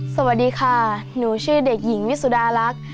สวัสดีค่ะหนูชื่อเด็กหญิงวิสุดาลักษณ์